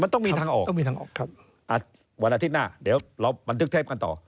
มันต้องมีทางออกวันอาทิตย์หน้าเดี๋ยวเราบันทึกเทพกันต่อ